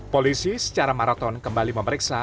polisi secara maraton kembali memeriksa